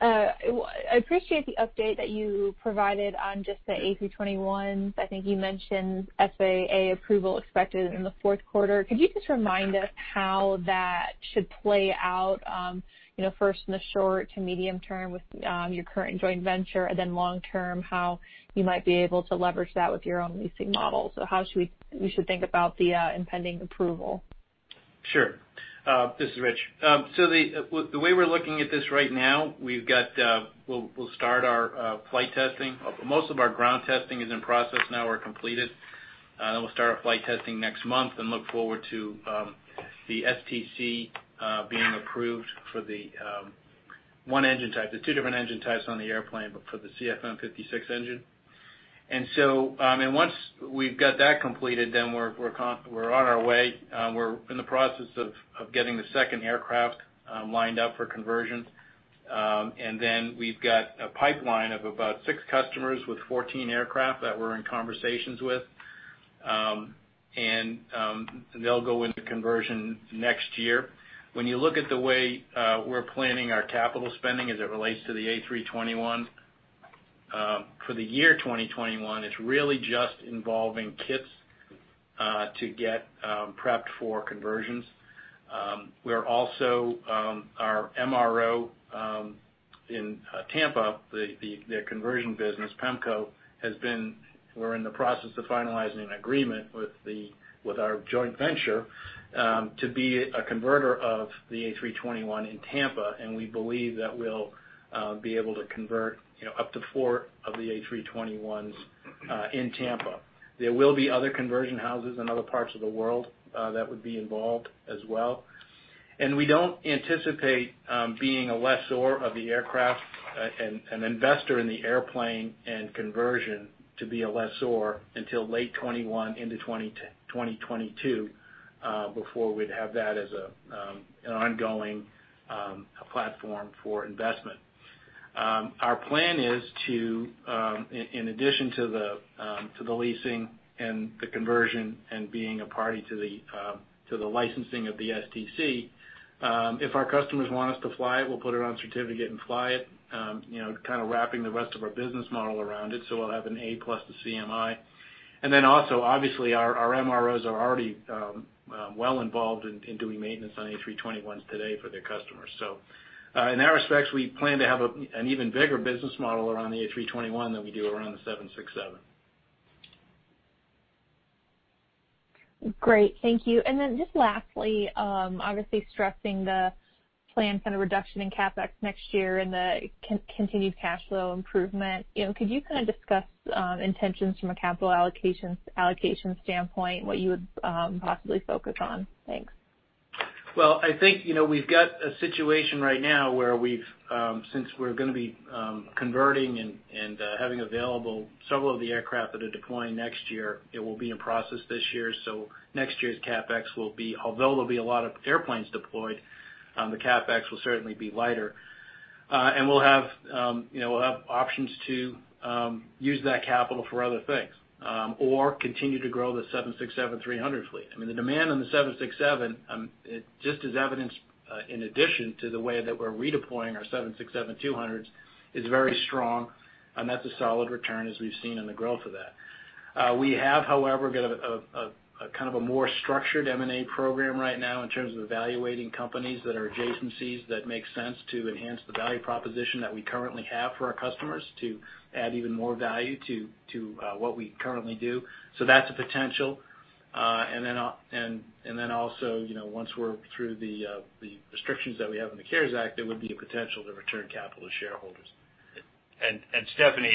I appreciate the update that you provided on just the A321s. I think you mentioned FAA approval expected in the fourth quarter. Could you just remind us how that should play out, first in the short to medium term with your current joint venture, and then long term, how you might be able to leverage that with your own leasing model? How should we think about the impending approval? Sure. This is Rich. The way we're looking at this right now, we'll start our flight testing. Most of our ground testing is in process now or completed. We'll start our flight testing next month and look forward to the STC being approved for the one engine type. There's two different engine types on the airplane, but for the CFM56 engine. Once we've got that completed, then we're on our way. We're in the process of getting the second aircraft lined up for conversion. We've got a pipeline of about six customers with 14 aircraft that we're in conversations with. They'll go into conversion next year. When you look at the way we're planning our capital spending as it relates to the A321, for the year 2021, it's really just involving kits to get prepped for conversions. Also, our MRO in Tampa, their conversion business, Pemco, we're in the process of finalizing an agreement with our joint venture to be a converter of the A321 in Tampa, and we believe that we'll be able to convert up to four of the A321s in Tampa. There will be other conversion houses in other parts of the world that would be involved as well. We don't anticipate being a lessor of the aircraft, an investor in the airplane and conversion to be a lessor until late 2021 into 2022, before we'd have that as an ongoing platform for investment. Our plan is to, in addition to the leasing and the conversion and being a party to the licensing of the STC, if our customers want us to fly it, we'll put it on certificate and fly it, kind of wrapping the rest of our business model around it, so we'll have an A plus the CMI. Also, obviously, our MROs are already well involved in doing maintenance on A321s today for their customers. In that respect, we plan to have an even bigger business model around the A321 than we do around the 767. Great. Thank you. Just lastly, obviously stressing the planned reduction in CapEx next year and the continued cash flow improvement. Could you kind of discuss intentions from a capital allocation standpoint, what you would possibly focus on? Thanks. Well, I think, we've got a situation right now where since we're going to be converting and having available several of the aircraft that are deploying next year, it will be in process this year. Next year's CapEx will be, although there'll be a lot of airplanes deployed, the CapEx will certainly be lighter. We'll have options to use that capital for other things. Continue to grow the 767-300 fleet. The demand on the 767, just as evidenced in addition to the way that we're redeploying our 767-200s, is very strong, and that's a solid return as we've seen in the growth of that. We have, however, got a more structured M&A program right now in terms of evaluating companies that are adjacencies that make sense to enhance the value proposition that we currently have for our customers to add even more value to what we currently do. That's a potential. Also, once we're through the restrictions that we have in the CARES Act, there would be a potential to return capital to shareholders. Stephanie,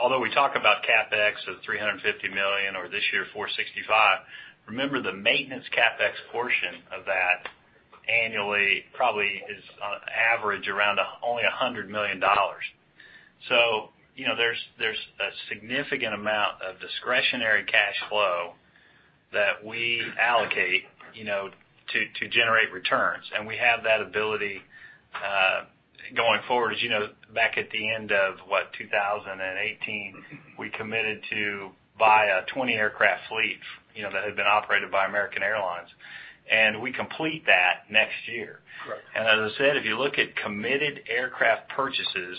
although we talk about CapEx of $350 million, or this year, $465 million, remember the maintenance CapEx portion of that annually probably is on average around only $100 million. There's a significant amount of discretionary cash flow that we allocate to generate returns. We have that ability going forward. As you know, back at the end of, what, 2018, we committed to buy a 20-aircraft fleet that had been operated by American Airlines. We complete that next year. As I said, if you look at committed aircraft purchases,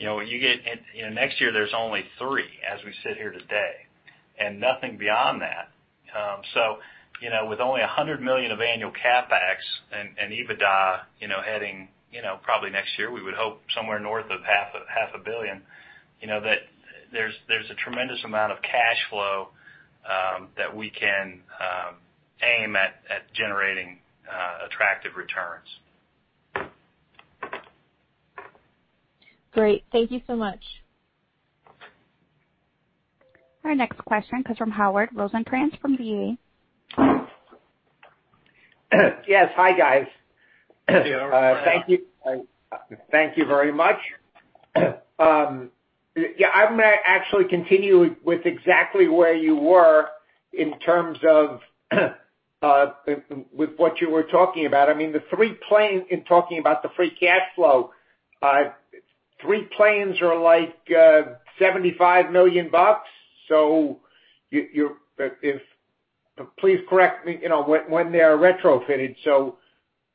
next year there's only three as we sit here today, and nothing beyond that. With only $100 million of annual CapEx and EBITDA heading, probably next year, we would hope somewhere north of half a billion. There's a tremendous amount of cash flow that we can aim at generating attractive returns. Great. Thank you so much. Our next question comes from Howard Rosencrans from VA. Yes. Hi, guys. Hi, Howard. Thank you very much. Yeah, I'm going to actually continue with exactly where you were in terms of with what you were talking about. The three planes, in talking about the free cash flow, three planes are like $75 million. Please correct me, when they are retrofitted.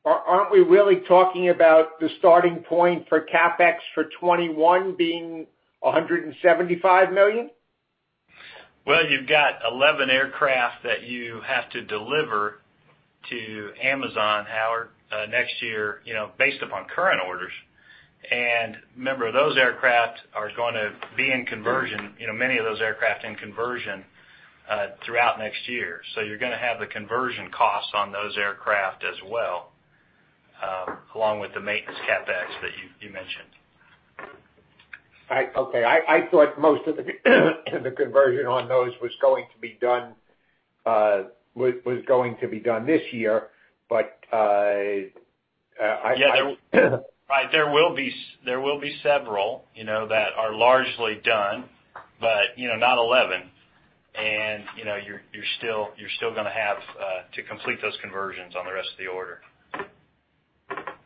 Aren't we really talking about the starting point for CapEx for 2021 being $175 million? Well, you've got 11 aircraft that you have to deliver to Amazon, Howard, next year, based upon current orders. Remember, those aircraft are going to be in conversion, many of those aircraft in conversion throughout next year. You're going to have the conversion costs on those aircraft as well, along with the maintenance CapEx that you mentioned. Okay. I thought most of the conversion on those was going to be done this year. Yeah. There will be several that are largely done, but not 11. You're still going to have to complete those conversions on the rest of the order.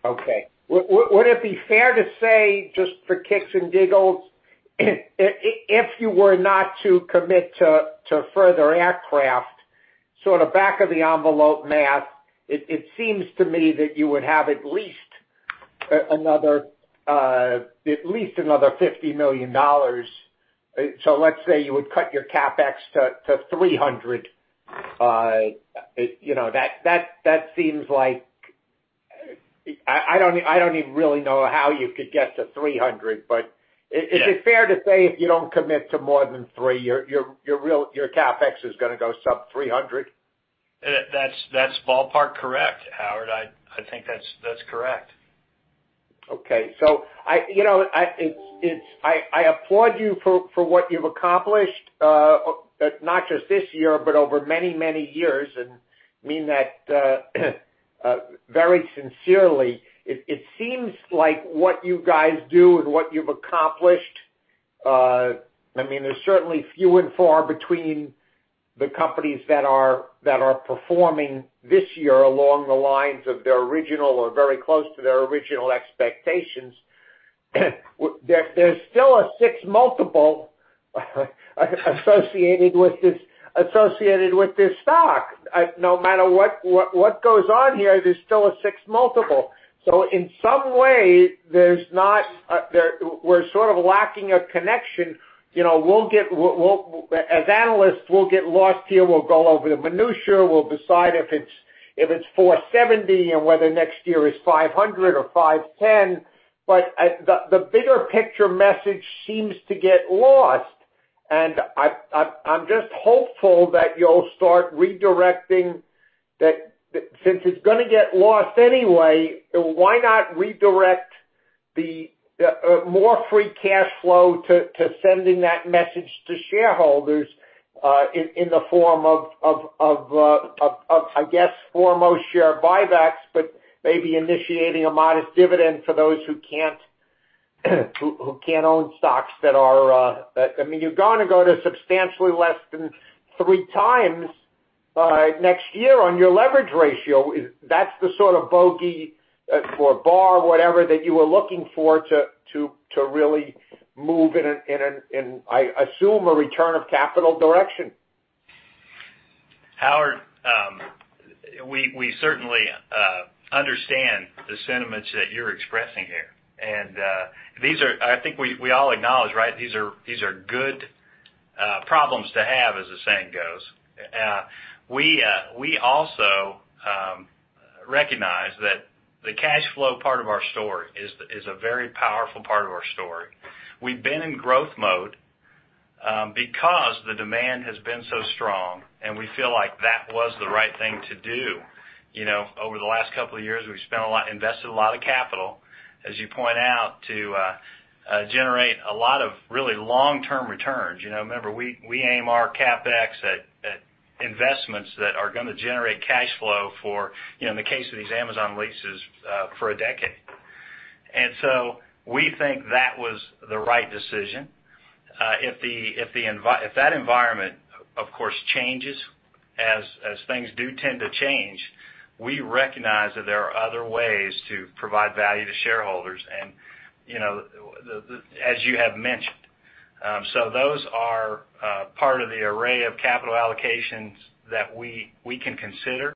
Okay. Would it be fair to say, just for kicks and giggles, if you were not to commit to further aircraft, sort of back of the envelope math, it seems to me that you would have at least another $50 million. Let's say you would cut your CapEx to $300 million. That seems like I don't even really know how you could get to $300 million. Yeah Is it fair to say if you don't commit to more than three, your CapEx is going to go sub $300 million? That's ballpark correct, Howard. I think that's correct. I applaud you for what you've accomplished, not just this year, but over many, many years, and mean that very sincerely. It seems like what you guys do and what you've accomplished, there's certainly few and far between the companies that are performing this year along the lines of their original or very close to their original expectations. There's still a six multiple associated with this stock. No matter what goes on here, there's still a six multiple. In some way, we're sort of lacking a connection. As analysts, we'll get lost here. We'll go over the minutia. We'll decide if it's $4.70 and whether next year is $5.00 or $5.10. The bigger picture message seems to get lost, and I'm just hopeful that you'll start redirecting. That since it's going to get lost anyway, why not redirect more free cash flow to sending that message to shareholders in the form of, I guess, foremost share buybacks, but maybe initiating a modest dividend for those who can't own stocks. You're going to go to substantially less than three times next year on your leverage ratio. That's the sort of bogey or bar, whatever, that you were looking for to really move in, I assume, a return of capital direction. Howard, we certainly understand the sentiments that you're expressing here. I think we all acknowledge, right, these are good problems to have, as the saying goes. We also recognize that the cash flow part of our story is a very powerful part of our story. We've been in growth mode because the demand has been so strong, and we feel like that was the right thing to do. Over the last couple of years, we've invested a lot of capital, as you point out, to generate a lot of really long-term returns. Remember, we aim our CapEx at investments that are going to generate cash flow for, in the case of these Amazon leases, for a decade. We think that was the right decision. If that environment, of course, changes as things do tend to change, we recognize that there are other ways to provide value to shareholders. As you have mentioned, those are part of the array of capital allocations that we can consider.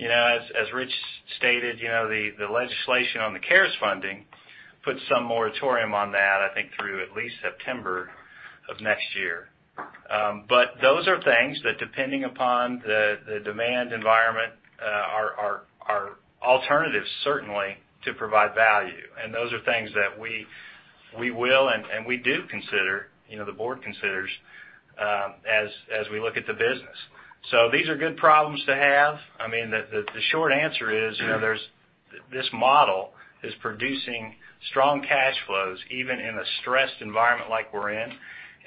As Rich stated, the legislation on the CARES funding put some moratorium on that, I think through at least September of next year. Those are things that, depending upon the demand environment, are alternatives certainly to provide value. Those are things that we will and we do consider, the board considers, as we look at the business. These are good problems to have. I mean, the short answer is this model is producing strong cash flows even in a stressed environment like we're in.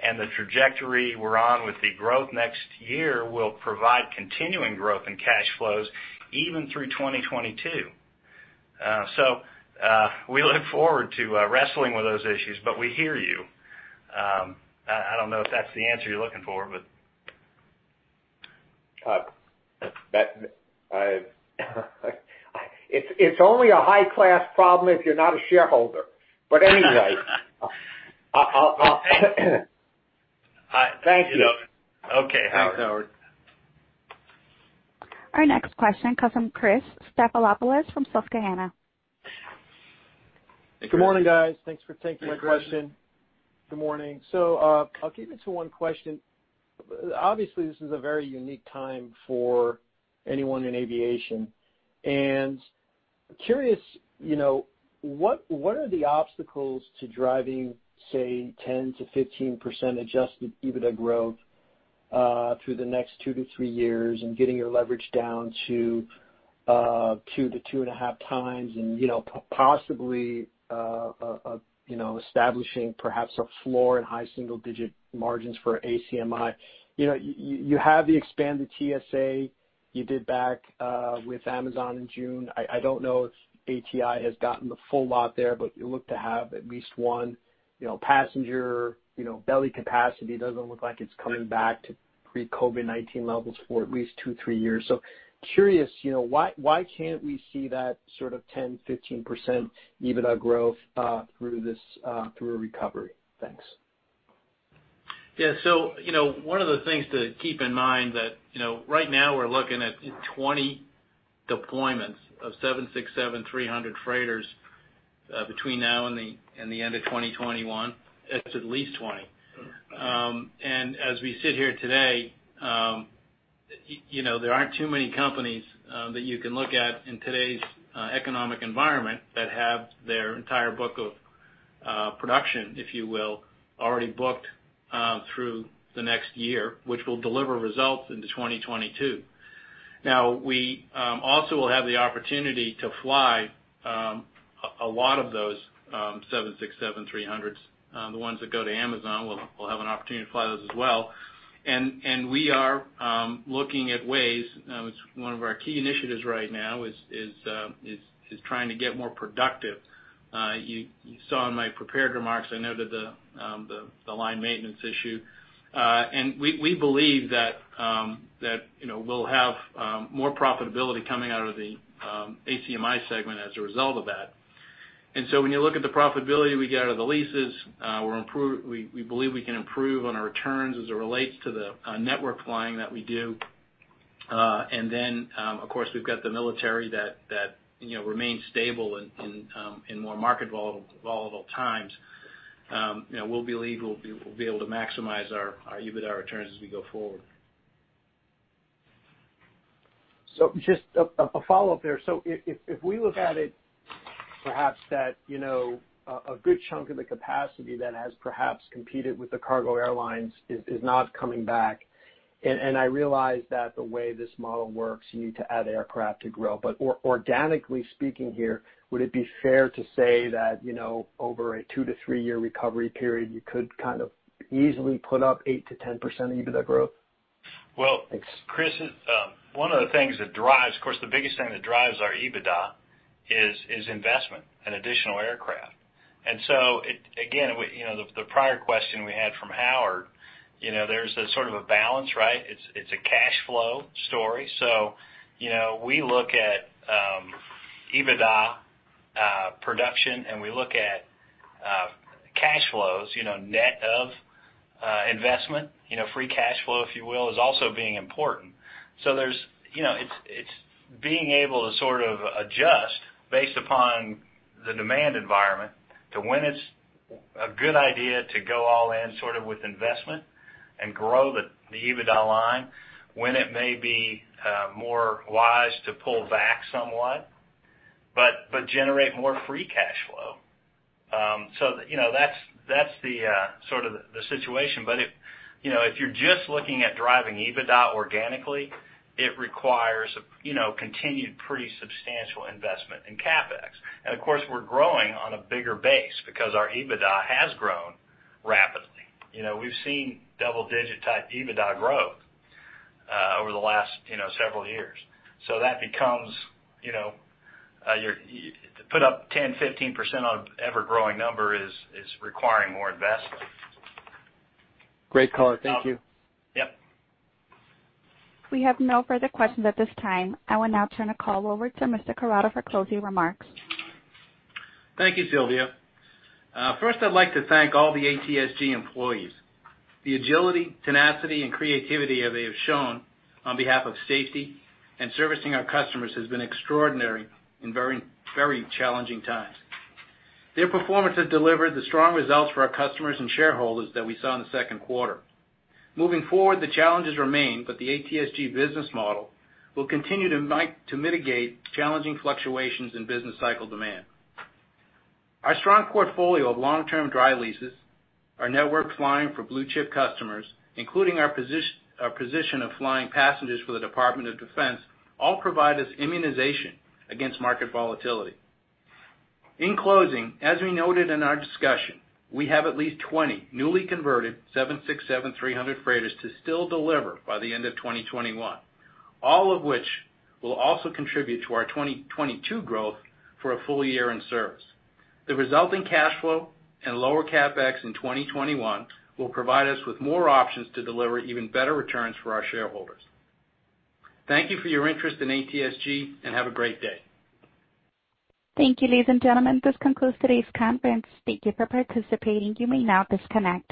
The trajectory we're on with the growth next year will provide continuing growth in cash flows even through 2022. We look forward to wrestling with those issues, but we hear you. I don't know if that's the answer you're looking for. It's only a high-class problem if you're not a shareholder. Anyway, thank you. Okay, Howard. Thanks, Howard. Our next question comes from Chris Stathoulopoulos from Susquehanna. Hey, Chris. Good morning, guys. Thanks for taking my question. Good morning. Good morning. Obviously, this is a very unique time for anyone in aviation, and curious, what are the obstacles to driving, say, 10%-15% adjusted EBITDA growth, through the next two to three years and getting your leverage down to, 2-2.5x and possibly establishing perhaps a floor in high single-digit margins for ACMI? You have the expanded TSA you did back with Amazon in June. I don't know if ATI has gotten the full lot there, but you look to have at least one. Passenger belly capacity doesn't look like it's coming back to pre-COVID-19 levels for at least two, three years. Curious, why can't we see that sort of 10%, 15% EBITDA growth through a recovery? Thanks. Yeah. One of the things to keep in mind that right now we're looking at 20 deployments of Boeing 767-300 freighters between now and the end of 2021. It's at least 20. As we sit here today, there aren't too many companies that you can look at in today's economic environment that have their entire book of production, if you will, already booked through the next year, which will deliver results into 2022. Now, we also will have the opportunity to fly a lot of those Boeing 767-300s. The ones that go to Amazon, we'll have an opportunity to fly those as well. We are looking at ways, it's one of our key initiatives right now is trying to get more productive. You saw in my prepared remarks, I noted the line maintenance issue. We believe that we'll have more profitability coming out of the ACMI segment as a result of that. When you look at the profitability we get out of the leases, we believe we can improve on our returns as it relates to the network flying that we do. Then, of course, we've got the military that remains stable in more market volatile times. We believe we'll be able to maximize our EBITDA returns as we go forward. Just a follow-up there. If we look at it, perhaps that a good chunk of the capacity that has perhaps competed with the cargo airlines is not coming back. I realize that the way this model works, you need to add aircraft to grow. Organically speaking here, would it be fair to say that, over a two to three-year recovery period, you could kind of easily put up 8%-10% EBITDA growth? Well- Thanks Chris, one of the things that drives, of course, the biggest thing that drives our EBITDA is investment and additional aircraft. Again, the prior question we had from Howard, there's a sort of a balance, right? It's a cash flow story. We look at EBITDA production, and we look at cash flows, net of investment. Free cash flow, if you will, is also being important. It's being able to sort of adjust based upon the demand environment to when it's a good idea to go all in sort of with investment and grow the EBITDA line, when it may be more wise to pull back somewhat, but generate more free cash flow. That's the sort of the situation. If you're just looking at driving EBITDA organically, it requires continued pretty substantial investment in CapEx. Of course, we're growing on a bigger base because our EBITDA has grown rapidly. We've seen double-digit type EBITDA growth over the last several years. That becomes, to put up 10, 15% on an ever-growing number is requiring more investment. Great color. Thank you. Yep. We have no further questions at this time. I will now turn the call over to Mr. Corrado for closing remarks. Thank you, Sylvia. First I'd like to thank all the ATSG employees. The agility, tenacity, and creativity that they have shown on behalf of safety and servicing our customers has been extraordinary in very challenging times. Their performance has delivered the strong results for our customers and shareholders that we saw in the second quarter. Moving forward, the challenges remain, but the ATSG business model will continue to mitigate challenging fluctuations in business cycle demand. Our strong portfolio of long-term dry leases, our network flying for blue-chip customers, including our position of flying passengers for the Department of Defense, all provide us immunization against market volatility. In closing, as we noted in our discussion, we have at least 20 newly converted 767-300 freighters to still deliver by the end of 2021, all of which will also contribute to our 2022 growth for a full year in service. The resulting cash flow and lower CapEx in 2021 will provide us with more options to deliver even better returns for our shareholders. Thank you for your interest in ATSG, and have a great day. Thank you, ladies and gentlemen. This concludes today's conference. Thank you for participating. You may now disconnect.